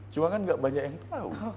cuma kan gak banyak yang tahu